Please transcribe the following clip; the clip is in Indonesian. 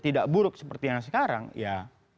tidak buruk seperti yang sekarang ya